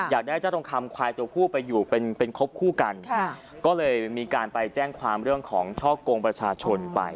อยากได้เจ้าทองคำควายตัวผู้ไปอยู่เป็นเป็นคบคู่กันก็เลยมีการไปแจ้งความเรื่องของช่อกงประชาชนไป